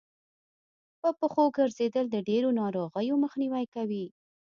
په پښو ګرځېدل د ډېرو ناروغيو مخنیوی کوي